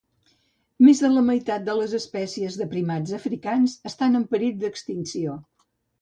Més de la meitat de les espècies de primats africans estan en perill extinció